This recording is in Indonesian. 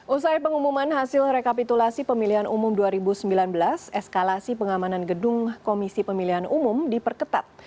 usai pengumuman hasil rekapitulasi pemilihan umum dua ribu sembilan belas eskalasi pengamanan gedung komisi pemilihan umum diperketat